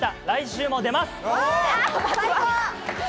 来週も出ます！